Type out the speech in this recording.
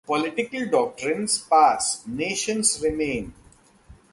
Political doctrines pass; nations remain.